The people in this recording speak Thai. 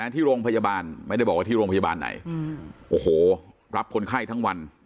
ที่โรงพยาบาลไม่ได้บอกว่าที่โรงพยาบาลไหนโอ้โหรับคนไข้ทั้งวัน